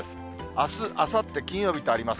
あす、あさって金曜日とあります。